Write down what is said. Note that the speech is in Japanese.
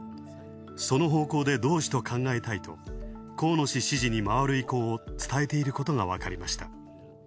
その方向で同志と伝えたいと河野氏の支持に回ると伝えていることがわかりました。